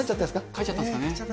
帰っちゃったんですよね。